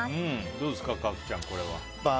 どうですか角ちゃん、これは。